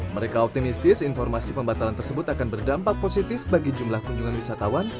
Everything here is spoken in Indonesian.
mereka optimistis informasi pembatalan tersebut akan berdampak positif bagi jumlah kunjungan wisatawan